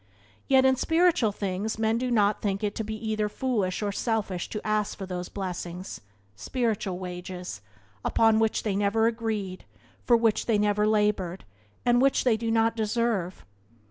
Yet in spiritual things men do not think it to be either foolish or selfish to ask for those blessings — spiritual wages — upon which they never agreed, for which they never laboured, and which they do not deserve.